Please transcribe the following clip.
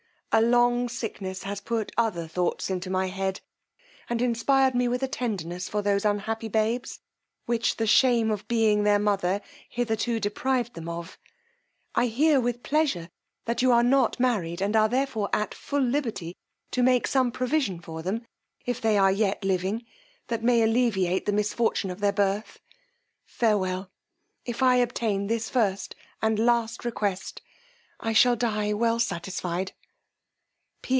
A long sickness has put other thoughts into my head, and inspired me with a tenderness for those unhappy babes, which the shame of being their mother hitherto deprived them of. I hear, with pleasure, that you are not married, and are therefore at full liberty to make some provision for them, if they are yet living, that may alleviate the misfortune of their birth. Farewell; if I obtain this first and last request, I shall dye well satisfied."